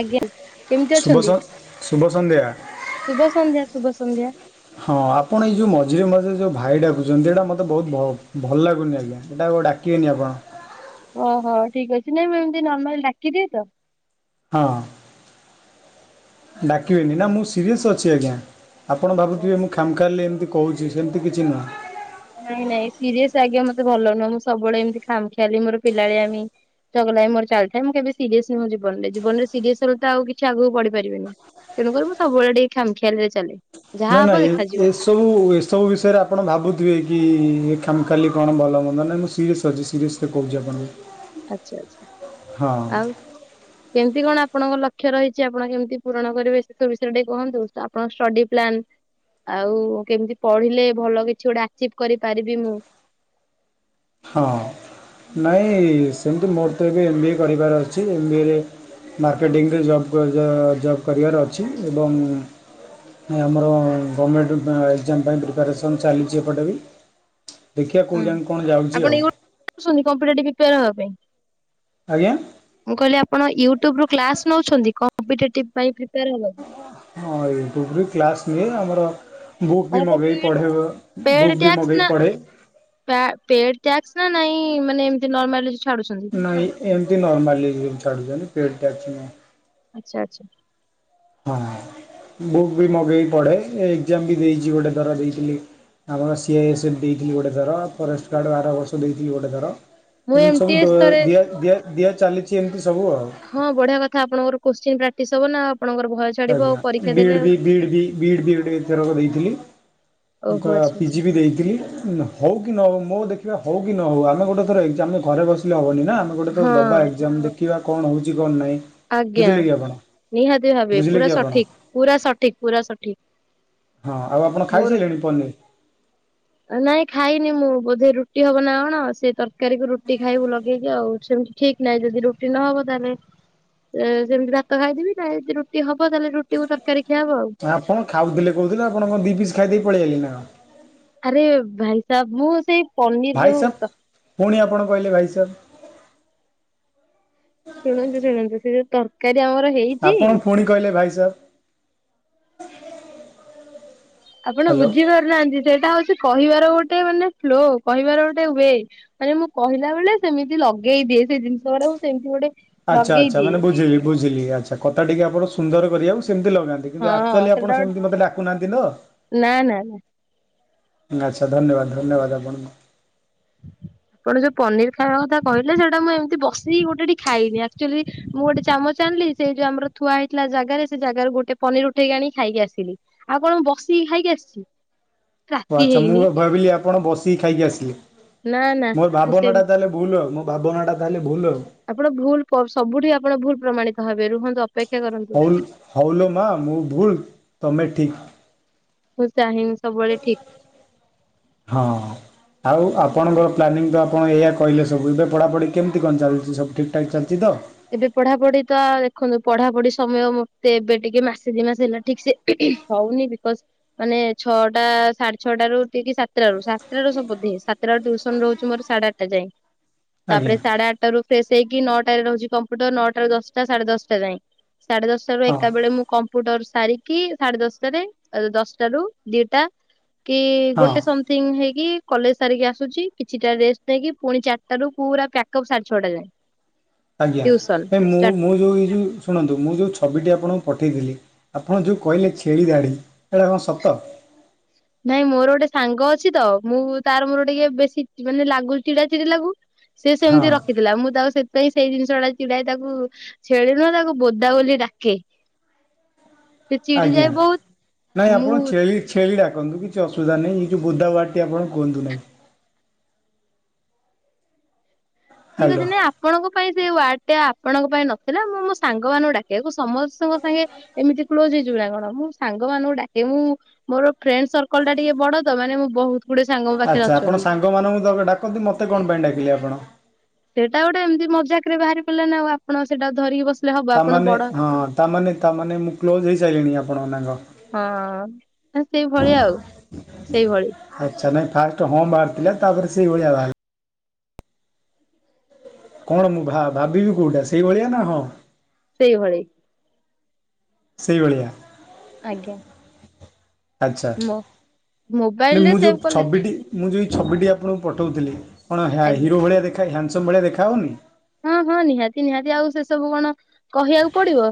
ଆଜ୍ଞା କେମିତି ଶୁଭ ସ ଅଛନ୍ତି ଶୁଭ ସନ୍ଧ୍ୟା ଶୁଭ ସନ୍ଧ୍ୟା। ହଁ ଆପଣ ଏଇ ଯୋଉ ମଝିରେ ମଝିରେ ଯୋଉ ଭାଇ ଡାକୁଛନ୍ତି ଏଇଟା ମତେ ବହୁତ ଭ ଭଲ ଲାଗୁନି ଆଜ୍ଞା ଏଇଟା ଆଉ ଡା ଡାକିବେନି ଆପଣ। ଓହୋ ଠିକ ଅଛି ନାଇ ମୁଁ ଏମିତି ନର୍ମାଲି ଡାକିଦିଏ ତ। ହଁ। ଡାକିବେନି ନା ମୁଁ ସିରିଏସ୍ ଅଛି ଆଜ୍ଞା ଆପଣ ଭାବୁଥିବେ ମୁଁ ଖାମଖାଲି ଏମିତି। କହୁଛି ସେମିତି କିଛି ନାଁ। ନାଇଁ ନାଇଁ ସିରିଏସ୍ ଆଜ୍ଞା ମତେ ଭଲ ନୁହଁ ମୁଁ ସବୁବେଳେ ଏମିତି ଖାମଖିଆଲି ମୋର ପିଲାଳିଆମୀ। ଚଗଲାମୀ ମୋର ଚାଲିଥାଏ ମୁଁ କେବେ ସିରିୟସ ନୁହଁ ଜୀବନରେ, ଜୀବନରେ ସିରିୟସ ହେଲେ ତ ଆଉ କିଛି ଆଗକୁ ବଢ଼ି ପାରିବେନି। ତେଣୁକରି ମୁଁ ସବୁବେଳେ ଟିକେ ଖାମଖିଆଲିରେ ଚାଲେ। ଯାହା ନା ହବ ନା ଏ ଏସ୍ ଦେଖାଯିବ। ଏ ସବୁ ଏସବୁ ବିଷୟରେ ଆପଣ ଭାବୁଥିବେ କି ଏ ଖାମଖିଆଲି କଣ ଭଲ ମନ୍ଦ ନାହିଁ ମୁଁ ସିରିଏସ୍ ଅଛି ସିରିଏସ୍। ରେ କହୁଛି ଆପଣଙ୍କୁ। ଆଚ୍ଛା ଆଚ୍ଛା ହଁ ଆଉ। କେମିତି କଣ ଆପଣଙ୍କ ଲକ୍ଷ୍ୟ ରହିଛି ଆପଣ କେମିତି ପୂରଣ କରିବେ ସେ ସବୁ ବିଷୟରେ ଟିକେ କୁହନ୍ତୁ ଆପଣଙ୍କ ଷ୍ଟଡି ପ୍ଲାନ। ଆଉ କେମିତି ପଢିଲେ ଭଲ କିଛି ଗୋଟେ ଆଚିଭ କରିପାରିବି ମୁଁ। ହଁ ନାଇଁ ସେମିତି ମୋର ତ ଏବେ ଏମ ବି ଏ କରିବାର ଅଛି ଏମ ବି ଏ ରେ। ମାର୍କେଟିଂରେ ଜବ୍ କ ଜବ୍ କରିବାର ଅଛି ଏବଂ। ନାଇ ଆମର ଗମେଣ୍ଟ ଏକ୍ଜାମ ପାଇଁ ପ୍ରିପାରେସନ୍ ଚାଲିଛି ଏପଟେ ବି। ଦେଖିବା କେଉଁ ହୁଁ ଯାଏଁ କ'ଣ ଯାଉଛି ଆପଣ ଆଉ ୟୁଟ୍ୟୁବ ଦେଖୁଛନ୍ତି କମ୍ପିଟେଟିଭ ପ୍ରିପାଆର ହବା ପାଇଁ। ଆଜ୍ଞା। ମୁଁ କହିଲି ଆପଣ ୟୁଟ୍ୟୁବରୁ କ୍ଲାସ ନଉଛନ୍ତି କମ୍ପିେଟେଟିଭ ପାଇଁ ପ୍ରିପେୟାର ହବାକୁ। ହଁ ୟୂଟୁବ ରୁ କ୍ଲାସ୍ ନିଏ ଆମର। ବୁକ୍ ବି ମାନେ ମଗେଇ ପେଡ୍ ପଢ଼େ ବେଳ ବୁକ୍ ବି ମଗେଇ ପଢ଼େ। କ୍ଲା ପେଡ ଟ୍ୟାସ୍କ ନା ନାଇଁ ମାନେ ଏମତି ନର୍ମାଲ ଛାଡୁଛନ୍ତି। ନାଇଁ ଏମିତି ନର୍ମାଲି ଛାଡୁଛନ୍ତି ପେଡ ଟାସ୍କ ନୁଅ। ଆଚ୍ଛା ଆଚ୍ଛା। ହଁ ବୁକ୍ ବି ମଗେଇକି ପଢେ, ଏକ୍ଜାମ ବି ଦେଇଛି ଗୋଟେ ଥର ଦେଇଥିଲି। ଆମର ସି ଆଇ ଏସ୍ ଏଫ୍ ଦେଇଥିଲି ଗୋଟେ ଥର ଫରେଷ୍ଟ ଗାର୍ଡ଼ ଆର ବର୍ଷ ଦେଇଥିଲି ଗୋଟେ ଥର। ମୁଁ ଏମତି ସବୁ ଦ ଥରେ ଦିଆ ଦିଆ ଦିଆ ଚାଲିଛି ଏମିତି ସବୁ ଆଉ। ହଁ ବଢିଆ କଥା ଆପଣଙ୍କର କୋ୍ଶ୍ଚିନ ପ୍ରାକ୍ଟିସ୍ ହବ ନା ଆପଣଙ୍କର ଭଏସ ଆଜ୍ଞା ବିଡ୍ ବି ବିଡ୍ ବି ବିଡ୍ ବିଡ୍ ଏଥରକ ଦେଇଥିଲି। ମୁଁ ଓହୋ କ ଆଚ୍ଛା ପି ଆଚ୍ଛା ଜି ବି ଦେଇଥିଲି କ ନ ହଉ କି ନ ହଉ ମୋ ଦେଖିବା ହଉ କି ନ ହଉ ଆମେ ଗୋଟେ ଥର ଏଜ୍ଜାମ୍ ଆମେ ଘରେ ବସିଲେ ହବନି ନା। ଆମେ ଗୋଟେ ହଁ ଥର ଦବା ଏକ୍ସାମ ଦେଖିବା କଣ ହଉଚି କଣ ନାଇଁ ଆଜ୍ଞା ବୁଝିଲେ କି ଆପଣ। ନିହାତି ଭାବେ ବୁଝିଲେ ପୁରା କି ଆପଣ ସଠିକ ପୁରା ସଠିକ ପୁରା ସଠିକ। ହଁ ଆଉ ଆପଣ ମୋର ଖାଇସାଇଲେଣି ପନିର। ନାଇଁ ଖାଇନି ମୁଁ ବୋଧେ ରୁଟି ହବ ନା କଣ ସେ ତରକା କାରୀକୁ ରୁଟି ଖାଇବୁ ଲଗେଇକି ଆଉ ସେମିତି ଠିକ୍ ନାହିଁ ଯଦି ରୁଟି ନହବ ତାହେଲେ ଏ ସେମିତି ଭାତ ଖାଇଦେମି ନାଇ ଯଦି ରୁଟି ହବ ତାହେଲେ ରୁଟିକୁୁ ତରକାରୀ ଖିଆହବ ଆଉ। ଆପଣ ଖାଉଥିଲେ କହୁଥିଲେ ଆପଣ କଣ ଦି ପିସ୍ ଖାଇ ଦେଇ ପଳେଇ ଆଇଲେ ନା କଣ। ଆରେ ଭାଇସାବ ମୁଁ ସେଇ ପନିର ଭାଇ ଯୋଉ ସାବ୍ ତ ପୁଣି ଆପଣ କହିଲେ ଭାଇସାବ୍। ଶୁଣନ୍ତୁ ଶୁଣନ୍ତୁ ସେ ଯୋଉ ତରକାରୀ ଆମର ହେଇଛି ଆପଣ ପୁଣି କହିଲେ ଭାଇ ସାବ୍। ଆପଣ ହ୍ୟାଲୋ। ବୁଝିପାରୁନାହାନ୍ତି ସେଇଟା ହଉଛି କହିବାର ଗୋଟେ ମାନେ ସ୍ଲୋ କହିବାର ଗୋଟେ ୱେ। ମାନେ ମୁଁ କହିଲା ବେଳେ ସେମିତି ଲଗେଇ ଦିଏ ସେଇ ଜିନିଷ ଗୁଡାକ ସେମତି ଗୋଟେ ଆଚ୍ଛା ଆଚ୍ଛା ଲଗେଇଦିଏ ମାନେ ବୁଝିଲି ବୁଝିଲି ଆଛା କଥା ଟିକି ଆପଣ ସୁନ୍ଦର କରିବାକୁ ସେମିତି ଲଗାନ୍ତି। କିନ୍ତୁ ହଁ ଆଚୁଆଲି ସେଟା ଆପଣ ଗୋଟେ ସେମିତି ମତେ ଡାକୁନାହାନ୍ତି ତ। ନା ନା ଆଚ୍ଛା ଧନ୍ୟବାଦ ଧନ୍ୟବାଦ ଆପଣଙ୍କୁ। ଆପଣ ଯୋଉ ପନିର ଖାଇବା କଥା କହିଲେ ସେଇଟା ମୁଁ ଏମିତି ବସିକି ଗୋଟେ ଟେ ଖାଇନିଏ ଆକ୍ଚୁଆଲି ମୁଁ ଗୋଟେ ଚାମଚ ଆଣିଲି ସେ ଯୋଉ ଆମର ଥୁଆହେଇଥିଲା ଜାଗାରେ ସେ ଜାଗାରୁ ଗୋଟେ ପନିର ଉଠେଇ ଆଣିକି ଖାଇକି ଆସିଲି। ଆଉ କଣ ମୁ ବସିକି ଖାଇକି ଆସିଚି। ଓ ଆଚ୍ଛା ମୁଁ ଭ ଭାବିଲି ଆପଣ ବସିକି ଖାଇକି ଆସିଲେ ନା ନା ମୋର ମୁଁ ସେ ଭାବନାଟା ତାହେଲେ ଭୁଲ ଆଉ ମୋ ଭାବନାଟା ତାହେଲେ ଭୁଲ ଆଉ। ଆପଣ ଭୁଲ ପ ସବୁଠି ଆପଣ ଭୁଲ ପ୍ରମାଣିତ ହେବେ ରୁହନ୍ତୁ ଅ ଅପେକ୍ଷା କରନ୍ତୁ। ହଉ ଲ୍ ହଉଲୋ ମା ମୁଁ ଭୁଲ ତମେ ଠିକ୍। ମୁଁ ଚାହିଁନି ସବୁବେଳେ ଠିକ୍। ହଁ। ଆଉ ଆପଣଙ୍କର ପ୍ଲାନିଂ ତ ଆପଣ ଏଇଆ କହିଲେ ସବୁ ଏବେ ପଢ଼ାପଢ଼ି କେମିତି କଣ ଚାଲିଛି ସବୁ ଠିକ୍ ଠାକ୍ ଚାଲିଛି ତ। ଏବେ ପଢାପଢି ତ ଦେଖନ୍ତୁ ପଢାପଢି ସମୟ ମତେ ଏବେ ଟିକେ ମାସେ ଦି ମାସ ହେଲା ଠିକ୍ ସେ ହଉନି ବିକଜ୍ ମାନେ ଛଅଟା ସାଢେ ଛଅଟାରୁ ଉଠିକି ସାତଟାରୁ ସାତଟା ରୁ ସବୁ ବୋଧେ ସାତ ଟାରୁ ଟିୟୁସନ ରହୁଛି ମୋର ସାଢେ ଆଠଟା ଯାଏଁ ତାପରେ ଆଜ୍ଞା ସାଢେ ଆଠଟାରୁ ଫ୍ରେଶ ହେଇକି ନଅଟାରେ ରହୁଚି କମ୍ପ୍ୟୁଟର ନଅଟ ରୁ ଦଶଟା ସାଢେ ଦଶଟା ଯାଏ ସାଢେ ଦଶଟାରୁ ହଁ ଏକା ବେଳେ ମୁଁ କମ୍ ମ୍ପୁଟର୍ ସାରିକି ସାଢେ ଦଶଟାରେ ଦଶଟାରୁ ଦିଟା କି ହଁ ଗୋଟେ ସମ୍ ଥିଙ୍ଗ ହେଇକି କଲେଜ ସାରିକି ଆସୁଚି କିଛିଟା ରେଷ୍ଟ ନେଇକି ପୁଣି ଚାରିଟାରୁ ପୁରା ପ୍ୟାକଅପ୍ ସାଢେ ଛଅଟା ଯାଏଁ। ଆଜ୍ଞା ଏ ମୁଁ ମୁଁ ଯୋଉ ଏ ଯେଉଁ ଶୁଣନ୍ତୁ ମୁଁ ଯୋଉ ଛବିଟି ଆପଣଙ୍କୁ ପଠେଇଥିଲି ଆପଣ ଯୋଉ କହିଲେ ଛେଳି ଦାଢ଼ି ସେଟା କଣ ସତ। ନାଇଁ ମୋର ଗୋଟେ ସାଙ୍ଗ ଅଛି ତ ମୁଁ ତାର ମୋର ଟିକେ ବେଶୀ ମାନେ ଚି ଲାଗୁ ଚିଡା ଚିଡି ଲାଗୁ। ସେ ହଁ ସେମିତି ରଖିଥିଲା ମୁଁ ତାକୁ ସେଥିପାଇଁ ସେଇ ଜିନିଷଟା ଚିଡାଏ ତାକୁ ଛେଳି ନୁହଁ ତାକୁ ବୋଦା ବୋଲି ଡାକେ। ସେ ଆଜ୍ଞା ଚିଡିଯାଏ ବହୁତ ନାଇଁ ମୁଁ ଆପଣ ଛେଳି ଛେଳି ଡାକନ୍ତୁ କିଛି ଅସୂବିଧା ନାଇ ଏ ଯୋଉ ବୋଦା ୱାର୍ଡ଼ଟି ଆପଣ କୁଅନ୍ତୁ ନାହିଁ। ଠିକ୍ ହ୍ୟାଲୋ ଅଛି ନାଇଁ ଆପଣଙ୍କ ପାଇଁ ସେ ୱାର୍ଡ ଟା ଆପଣଙ୍କ ପାଇଁ ନଥିଲା ମୁଁ ମୋ ସାଙ୍ଗ ମାନଙ୍କୁଡା କେ ସମସ୍ତଙ୍କ ସାଙ୍ଗେ ଏମିତି କ୍ଲୋଜ ହେଇଯିବୁ ନା କଣ ମୁଁ ସାଙ୍ଗ ମାନଙ୍କୁ ଡାକେ ମୁଁ ମୋର ଫ୍ରେଣ୍ଡ ସର୍କଲ ଟା ଟିକେ ବଡ ତ ମାନେ ମୁଁ ବହୁତ ଗୁଡେ ସାଙ୍ଗ ମୋ ପାଖରେ ଆଚ୍ଛା ଆପଣ ଅଛନ୍ତି। ସାଙ୍ଗମାନଙ୍କୁ ଦବା ଡାକନ୍ତି ମୋତେ କଣ ପାଇଁ ଡାକିଲେ ଆପଣ? ସେଇଟା ଗୋଟେ ଏମିତି ମଜାକରେ ବାହାରି ପଇଲାନା ଆପଣ ସେଟା ଧରିକି ବସ ତାମାନେ ହଁ ତାମାନେ ତାମାନେ ମୁଁ କ୍ଲୋଜ୍ ହେଇସାଇଲିଣି ଆପଣଙ୍କ ନାଁ କଣ? ହଁ ସେଇଭଳିଆ ଆଉ ସେଇଭଳି। ଆଚ୍ଛା ନାଇଁ ଫାଷ୍ଟ ହଁ ବାହାର ଥିଲା ତାପରେ ସେଇଭଳିଆ ବାହାରଲା। କଣ ମୁଁ ଭା-ଭାବିବି କୋଉଟା ସେଇଭଳିଆ ନା ହଁ। ସେଇଭଳି। ସେଇଭଳିଆ। ଆଜ୍ଞା। ଆଚ୍ଛା ମୋ ହେଲେ ମୋବାଇଲ ରେ ମୁଁ ସେଭ୍ ଯୋଉ କଲେ ଛବିଡ଼ି ମୁଁ ଯେଉଁ ଛବିଟି ଆପଣଙ୍କୁ ପଠଉଥିଲି କଣ ହ୍ୟା ଆଜ୍ଞା ହିରୋ ଭଳିଆ ଦେଖା ହ୍ୟାଣ୍ଡସମ୍ ଭଳିଆ ଦେଖାଯାଉନି। ହଁ ହଁ ନିହାତି ନିହାତି ଆଉ ସେ ସବୁ କଣ କହିବାକୁ ପଡିବ।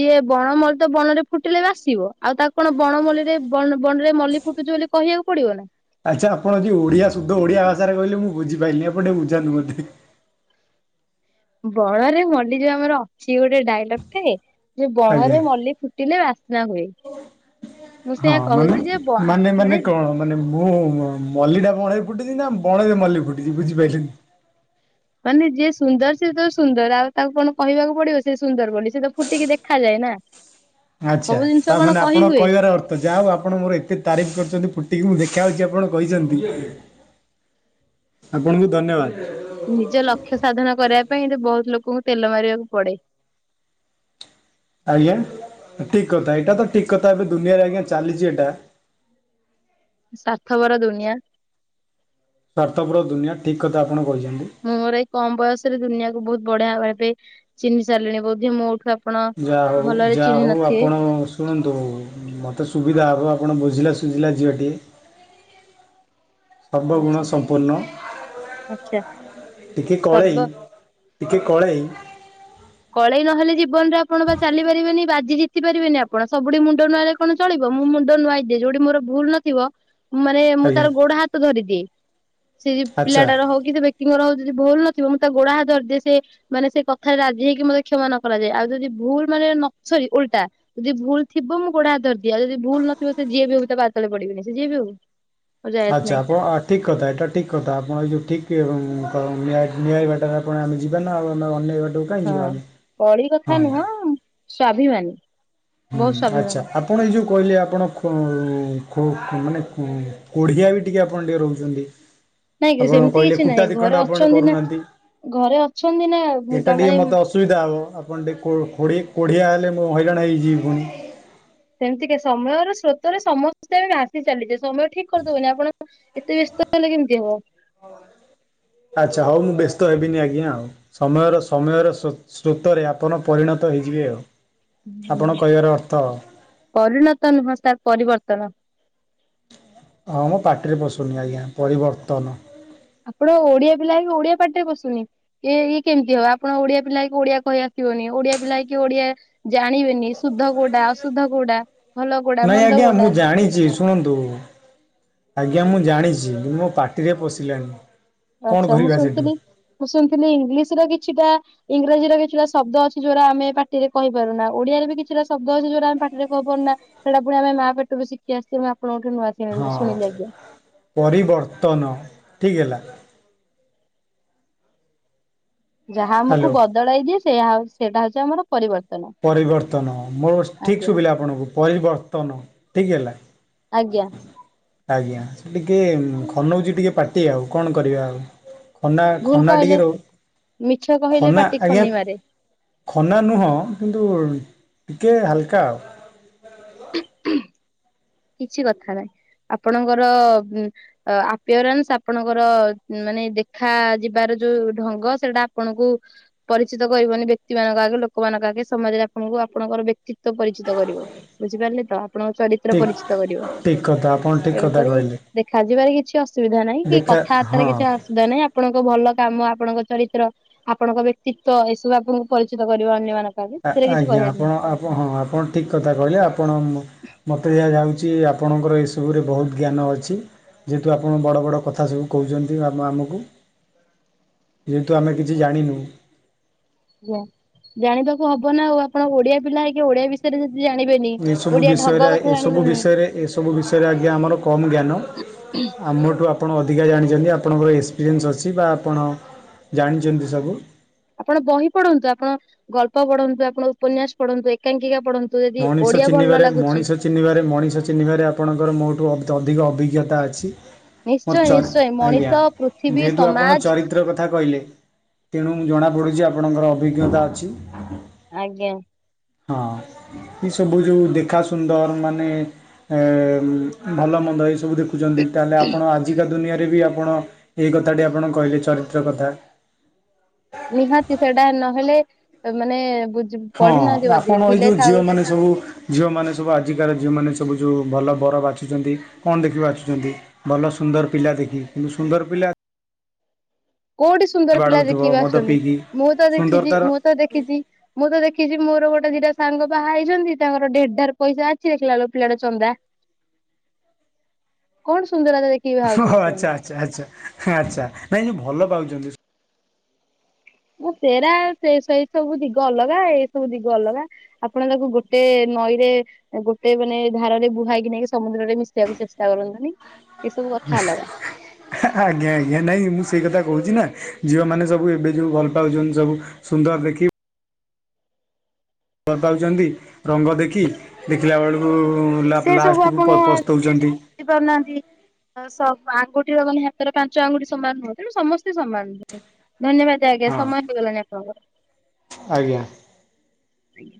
ଯିଏ ବଣ ମଲ୍ଲି ତ ବଣରେ ଫୁଟିଲେ ବାସିବ ଆଉ ତାକୁ କଣ ବଣ ମଲ୍ଲିରେ ବଣ-ବଣ-ବଣରେ ମଲ୍ଲି ଫୁଟୁଚି ବୋଲି କହିବାକୁ ପଡିବ ନା। ଆଚ୍ଛା ଆପଣ ଯଦି ଓଡିଆ ସୁଧ ଓଡ଼ିଆ ଭାଷାରେ କହିଲେ ମୁଁ ବୁଝିପାଇଲିିନି ଆପଣ ଟିକେ ବୁଝାନ୍ତୁ ମତେ? ବଣରେ ମଲ୍ଲି ଯୋଉ ଆମର ଅଛି ଗୋଟେ ଡାଇଲକ୍ ଟେ। ଯଉ ଆଜ୍ଞା ବଣରେ ମଲ୍ଲି ଫୁଟିଲେ ବାସ୍ନା ହୁଏ। ମୁଁ ହଁ ସେୟା ମାନେ କହୁଚି ଯେ ବ ମାନେ ମାନେ ମୁଁ ମଲ୍ଲିଟା ବଣରେ ଫୁଟିଛି ନା ବଣରେ ମଲ୍ଲି ଫୁଟିଛି ବୁଝିପାଇଲିନି। ମାନେ ଯିଏ ସୁନ୍ଦର ସେଏ ତ ସୁନ୍ଦର ଆଉ ତାକୁ କଣ କହିବାକୁ ପଡିବ ସେ ସୁନ୍ଦର ବୋଲି ସେ ତ ଫୁଟିକି ଦେଖାଯାଏ ନା। ଆଚ୍ଛା ସବୁ ଜିନିଷ ତା କଣ ମାନେ କହି ଆପଣଙ୍କ ହୁଏ କହିବାର ଅ ତ ଯାହା ହଉ ଆପଣ ମୋର ଏତେ ତାରିଫ କରିଚନ୍ତି ଫୁଟିକି ମୁଁ ଦେଖାହଉଛି ଆପଣ କହିଚନ୍ତି। ଆପଣଙ୍କୁ ଧନ୍ୟବାଦ। ନିଜ ଲକ୍ଷ୍ୟ ସାଧନ କରିବା ପାଇଁ ବହୁତ ଲୋକଙ୍କୁ ତେଲ ମାରିବାକୁ ପଡେ। ଆଜ୍ଞା ଠିକ୍ କଥା ଏଇଟା ତ ଠିକ୍ କଥା ଏବେ ଦୁନିଆରେ ଆଜ୍ଞା ଚାଲିଛି ଏଟା। ସ୍ୱାର୍ଥପର ଦୁନିଆ ସ୍ୱାର୍ଥପର ଦୁନିଆ ଠିକ୍ କଥା ଆପଣ କହିଚନ୍ତି। ମୁଁ ମୋର ଏଇ କମ୍ ବୟସରେ ଦୁନିଆକୁ ବହୁତ ବଢିଆଭାବେ ଚିହ୍ନି ସାରିଲିଣି ବୋଧି ମୋ ଉଠୁ ଆ ଯାହା ହଉ ଯାହା ହଉ ଆପଣ ସ ଶୁଣନ୍ତୁ ମୋତେ ସୁବିଧା ହେବ ଆପଣ ବୁଝିଲା ସୁୁଝିଲା ଝିଅଟିିଏ। ସର୍ବଗୁଣ ଆଚ୍ଛା ସମ୍ପୂର୍ଣ୍ଣ। ଆଚ୍ଛା ଟିକେ କଳେଇ ସର୍ବ। ଟିକେ କଳେଇ କଳେଇ ନହେଲେ ଜୀବନରେ ଆପଣ ବା ଚାଲିପାରିବେନି ବାଜି ଜିତି ପାରିବେନି ଆପଣ ସବୁଠି ମୁଣ୍ଡ ନୁଆଇଲେ ଆପଣ ଚଳିବ ମୁଁ ମୁଣ୍ଡ ନୁଆଦିଏ ଯଉଠି ମୋର ଭୁଲ୍ ନ ଥିବ ମାନେ ମୁଁ ଆଜ୍ଞା ତାର ଗୋଡ ହାତ ଧରିଦିଏ ସେ ଆଚ୍ଛା ପିଲାଟାର ହଉ। କିଛି ବ୍ୟକ୍ତିଙ୍କର ଯଦି ଭୁଲ୍ ନଥିବ ମୁଁ ତା ଗୋଡା ହାତ ଧରିଦିଏ ସେ ମାନେ ସେ କଥାରେ ରା ଯିଏକି ମତେ କ୍ଷମା ନ କରାଯାଏ ଆଉ ଯଦି ଭୁଲ୍ ମାନେ ନ ସରି ଉଲଟା ଯଦି ଭୁଲ୍ ଥିବ ମୁଁ ଗୋଡ ହାତ ଧରି ଦିଏ ଆ ଯଦି ଭୁଲ୍ ନଥିବ ସେ ଯିଏ ବି ହଉ ତା ପାଦ ତଳେ ପଡିବିନି ସେ ଯିଏ ବି ହଉ। ମୋର ଯାଏ ଆସେ ଆଚ୍ଛା ନାହିଁ ଆପଣ ଆ ଠିକ୍ କଥା ଏଇଟା ଠିକ୍ କଥା ଆପଣ ଏଇ ଯେଉଁ ଠିକ୍ କ ନିଆଇ ବାଟାରେ ଆପଣ ଆମେ ଯିବନା ଆଉ ଆମେ ଅନେଇ ବାଟକୁ କାହିଁ ଯିବା ହଁ ଆମେ କଳି କଥା ହଁ। ନୁହଁ ସ୍ୱାଭିମାନୀ। ହୁଁ ଆଚ୍ଛା ଆ ଆପଣ ଏ ଯେଉଁ କହିଲେ ଆପଣ ଖୁ କୋଢ଼ିଆ ବି ଟିକିଏ ଆପଣ ଟିକେ ରହୁଚନ୍ତି। ନାଇଁ କି ସେମିତି କିଛି ନାଇଁ ଘରେ ଆପଣ ଅଛନ୍ତି ନା କରୁନାହାନ୍ତି। ଘରେ ଅଛନ୍ତି ନା ଏଇଟା ଟିକେ ତାମାନେ ମୋତେ ଅସୁବିଧା ହେବ ଆପଣ ଟିକିଏ କୋଢ଼ି କୋ଼ଡିଆ ହେଲେ ମୁଁ ହଇରାଣ ହେଇଯିବି ପୁଣି। ସେମିତି କାଇଁ ସମୟର ସ୍ରୋତରେ ସମସ୍ତେ ବି ଆସି ଚାଲିଯେ ସମୟ ଠିକ୍ କରିଦବନି ଆପଣ ଏତେ ବ୍ୟସ୍ତ ହେଲେ କେମିତି ହବ। ଆଚ୍ଛା ହଉ ମୁଁ ବ୍ୟସ୍ତ ହେବିନି ଆଜ୍ଞା ଆଉ ସମୟର ସମୟର ସୋ ସ୍ରୋତରେ ଆପଣ ପରିଣତ ହେଇଯିବେ ଆଉ। ହବ। ଆପଣ କହିବାର ଅର୍ଥ? ପରିଣତ ନୁହଁ ସାର ପରିବର୍ତ୍ତନ। ହଁମ ପାଟିରେ ପସୁନି ଆଜ୍ଞା ପରିବର୍ତ୍ତନ। ଆପଣ ଓଡିଆ ପିଲା ହେଇକି ଓଡିଆ ପାଟିରେ ପସୁନି? ଏଇ ଇଏ କେମିତି ହବ ଆପଣ ଓଡିଆ ପିଲା ହେଇକି ଓଡିଆ କହିଆସିବନି ଓଡିଆ ପିଲା ହେକି କି ଓଡିଆ ଜାଣିବେନି ଶୁଦ୍ଧ କୋଉଟା ଅଶୁଦ୍ଧ କୋଉଟା ଭଲ କୋଉଟା ନାଇଁ ମନ୍ଦ ଆଜ୍ଞା ମୁଁ କୋଉଟା ଜାଣିଚି। ଶୁଣନ୍ତୁ ଆଜ୍ଞା ମୁଁ ଜାଣିଛି ମୋ ପାଟିରେ ପଶିଲାନି। ଆଚ୍ଛା ମୁଁ ଶୁଣିଥିଲି ମୁଁ ଶୁଣିଥିଲି ଇଂଲିଶର କିଛିଟା ଇଂରାଜୀରେ କିଛିଟା ଶବ୍ଦ ଅଛି ଯୋଉଗୁରା ଆମେ ପାଟିରେ କହିପାରୁନା ଓଡିଆରେ ବି କିଛିଟା ଶବ୍ଦ ଅଛି ଯୋଉଗୁରା ଆମେ ପାଟିରେ କହିପାରୁନା। ସେଟା ଫୁଣି ଆମେ ମା ପେଟରୁ ଶିଖିକି ଆସିଥିବୁ ଆପଣଙ୍କ ଠୁ ନୂଆ ହଁ ଶୁଣିଲି ଆଜ୍ଞା। ପରିବର୍ତ୍ତନ ଠିକ୍ ହେଲା। ଯାହା ଆମକୁ ହ୍ୟାଲୋ ବଦଳାଇ ଦିଏ ସେୟା ସେଇଟା ହଉଛି ଆମର ପରିବର୍ତ୍ତନ। ପରିବର୍ତ୍ତନ ମୋର ଠିକ୍ ଆଜ୍ଞା ଶୁବିଲା ଆପଣଙ୍କୁ ପରିବର୍ତ୍ତନ ଠିକ୍ ହେଲା। ଆଜ୍ଞା। ଆଜ୍ଞା। ସେ ଟିକେ ଖନଉଛି ଟିକେ ପାଟି ଆଉ କଣ କରିବା ଆଉ। ଖନା ଭୁଲ ଖନା କହିଲେ ଟିକେ ରହୁ ମିଛ କହିଲେ ଖନା ପାଟି ଆଜ୍ଞା। ଖନି ମାରେ ଖନା ନୁହଁ କିନ୍ତୁ ଟିକେ ହାଲକା ଆଉ କିଛି କଥା ନହିଁ ଆପଣଙ୍କର ଉମ୍ ଆ ଆପିୟରାନ୍ସ ଆପଣଙ୍କର ମାନେ ଦେଖାଯିବାର ଯୋଉ ଢଙ୍ଗ ସେଇଟା ଆପଣଙ୍କୁ ପରିଚିତ କରିବନି ବ୍ୟକ୍ତି ମାନଙ୍କ ଆଗେ, ଲୋକମାନଙ୍କ ଆଗେ, ସମାଜରେ ଆପଣଙ୍କୁ ଆପଣଙ୍କର ବ୍ୟକ୍ତିତ୍ୱ ପରିଚିତ କରିବ। ବୁଝିପାରିଲେ ତ ଆପଣଙ୍କ ଚରିତ୍ର ଠିକ୍ ପରିଚି କରିବ ଠିକ୍ କଥା ଆପଣ ଠିକ୍ କଥା ତେଣୁକରି କହିଲେ। ଦେଖାଯିବାରେ କିଛି ଅସୁବିଧା ନାହିଁ କି ଦେଖା କଥାବାର୍ତ୍ତାରେ ହଁ କିଛି ଅସୁବିଧା ନାଇଁ ଆପଣଙ୍କ ଭଲ କାମ ଆପଣଙ୍କ ଚରିତ୍ର। ଆପଣଙ୍କ ବ୍ୟକ୍ତିତ୍ଵ ଏସବୁ ଆପଣଙ୍କୁ ପରିଚିତ କରିବ ଅନ୍ୟମାନଙ୍କ ଆଗେ ସେଥିରେ କିଛି ଆଜ୍ଞା କହିବାର ଆପଣ ହଁ ଆପଣ ଠିକ୍ କଥା କହିଲେ ଆପଣ ମୋ ମୋତେ ଯାହାଯାଉଛି ଆପଣଙ୍କର ଏସବୁରେ ବହୁତ ଜ୍ଞାନ ଅଛି। ଯେହେତୁ ଆପଣ ବଡ଼ ବଡ଼ କଥା ସବୁ କହୁଛନ୍ତି ଆ ଆମକୁ। ଯେହେତୁ ଆମେ କିଛି ଜାଣିନୁ। ଆଜ୍ଞା ଜାଣିବାକୁ ହବ ନା ଆଉ ଆପଣ ଓଡିଆ ପିଲା ହେଇ କି ଓଡିଆ ବି ରେ ବି ଜାଣିବେନି ଏସବୁ ଓଡିଆ ବିଷୟରେ ଢଗ କଥା ଏସବୁ ଜାଣିବେନି ବିଷୟରେ ଏସବୁ ବିଷୟରେ ଆଜ୍ଞା ଆମର କମ୍ ଜ୍ଞାନ। ଆମଠୁ ଆପଣ ଅଧିକା ଜାଣିଛନ୍ତି ଆପଣଙ୍କର ଏକ୍ସପିରିଏନ୍ସ ଅଛି ବା ଆପଣ ଜାଣିଛନ୍ତି ସବୁ। ଆପଣ ବହି ପଢନ୍ତୁ, ଆପଣ ଗଳ୍ପ ପଢନ୍ତୁ, ଆପଣ ଉପନ୍ୟାସ ପଢ଼ନ୍ତୁ, ଏକାଙ୍କିକା ପଢ଼ନ୍ତୁ। ତୁ ଯଦି ମଣିଷ ଓଡିଆ ଭଲ ଚିହ୍ନିବାରେ ଲାଗୁଛି। ମଣିଷ ଚିହ୍ନିବାରେ ମଣିଷ ଚିହ୍ନିବାରେ ଆପଣଙ୍କର ମୋଠୁ ଅ ଅଧିକ ଅଭିଜ୍ଞତା ଅଛି। ମୋର ନିଶ୍ଚୟ ଚର୍ ନିଶ୍ଚୟ ଆଜ୍ଞା ମଣିଷ ପୃଥିବୀ ଯେହେତୁ ଆପଣ ସମାଜ ଚରିତ୍ର କଥା କହିଲେ ତେଣୁ ମୁଁ ଜଣାପଡ଼ୁଛି ଆପଣଙ୍କର ଅଭିଜ୍ଞତା ଅଛି। ଆଜ୍ଞା। ହଁ। ଏ ସବୁ ଯୋଉ ଦେଖା ସୁନ୍ଦର ମାନେ ଏ ଏ ଭଲ ମନ୍ଦ ଏଇ ସବୁ ଦେଖୁ ଦେଖୁଛନ୍ତି ତାହେଲେ ଆପଣ ଆଜିକା ଦୁନିଆରେ ବି ଆପଣ ଏଇ କଥାଟି ଆପଣ କହିଲେ ଚରିତ୍ର କଥା ନିହାତି ସେଇଟା ନହେଲେ ମାନେ ବୁ ପଢିନାହାନ୍ତି ବୋଧେ ଥିଲେ ଥାଉ ଯୋଉ ଝିଅମାନେ ସବୁ ଆଜିକାର ଝିଅମାନେ ସବୁ ଯୋଉ ଭଲ ବର ବାଛୁଛନ୍ତି କଣ ଦେଖି ବାଛୁଛନ୍ତି? ଭଲ ସୁନ୍ଦର ପିଲା ଦେଖି କି କିନ୍ତୁ ସୁନ୍ଦର ପିଲା କୋଉଠି ସୁନ୍ଦର ପିଲା ବାଡ଼ଉଥିବ ମଦ ଦେଖିବାଛୁଛନ୍ତି? ପିଇକି ମୁଁ ତ ଦେଖିଛି ସୁନ୍ଦରତାର ମୁଁ ତ ଦେଖିଛି ମୁଁ ତ ଦେଖିଛି ମୋର ଗୋଟେ ଦିଟା ସାଙ୍ଗ ବାହା ହେଇଛନ୍ତି। ତାଙ୍କର ଢେ ଢାର ପଇସା ଅଛି ଦେଖିଲା ବେଳକୁ ପିଲାଟା ଚନ୍ଦା କଣ ସୁନ୍ଦରା ଓ ଆଚ୍ଛା ଆଚ୍ଛା ଆଚ୍ଛା ଆଚ୍ଛା ନାଇଁ ଯୋଉ ଭଲ ପାଉଛନ୍ତି। ମୁଁ ସେରା ସେ ସେଇ ସବୁ ଦିଗ ଅଲଗା ଏଇ ସବୁ ଦିଗ ଅଲଗା। ଆପଣ ତାକୁ ଗୋଟେ ନଈରେ ଗୋଟେ ମାନେ ଧାରାରେ ବୁହାଇକି ନେଇକି ସମୁଦ୍ରରେ ମିଶିବାକୁ ଚେଷ୍ଟା କରନ୍ତୁନି। ଏସବୁ କଥା ଅଲଗା। [unintelligible] ଆଜ୍ଞା ଆଜ୍ଞା ନାଇଁ ମୁଁ ସେଇ କଥା କହୁଛି ନା ଝିଅମାନେ ସବୁ ଏବେ ଯୋଉ ଭଲ ପାଉଛନ୍ତି ସବୁ। ସୁନ୍ଦର ଦେଖି ଭଲପାଉଛନ୍ତି ରଙ୍ଗ ଦେଖି ଦେଖିଲା ବେଳୁ ଉ ଲା ଲାଷ୍ଟକୁ ପସ୍ତଉଛନ୍ତି। ବୁଝି ପାରୁନାହାନ୍ତି। ସବୁ ଆଙ୍ଗୁଠିର ମାନେ ହାତର ପାଞ୍ଚ ଆଙ୍ଗୁଠି ସମାନ ନୁହଁ ତେଣୁ ସମସ୍ତେ ସମାନ୍ ନୁହଁ ଧନ୍ୟବାଦ। ଆଜ୍ଞା ହଁ ସମୟ ହେଇଗଲାଣି ଆପଣଙ୍କର। ଆଜ୍ଞା। ଆଜ୍ଞା।